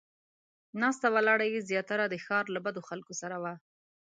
ناسته ولاړه یې زیاتره د ښار له بدو خلکو سره وه.